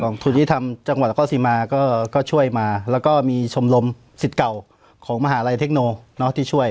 ทุนที่ธรรมจังหวัดนครสิมาก็ช่วยมาแล้วก็มีชมรมสิทธิ์เก่าของมหาลัยเทคโนที่ช่วย